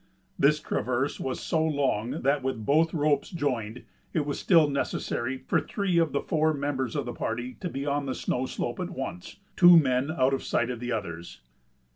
This traverse was so long that with both ropes joined it was still necessary for three of the four members of the party to be on the snow slope at once, two men out of sight of the others.